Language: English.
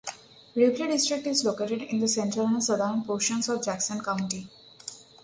Ripley District is located in the central and southern portions of Jackson County.